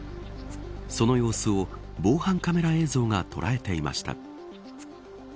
その様子を、防犯カメラ映像が捉えていました。